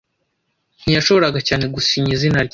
Ntiyashoboraga cyane gusinya izina rye.